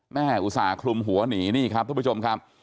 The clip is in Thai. อุตส่าหคลุมหัวหนีนี่ครับทุกผู้ชมครับ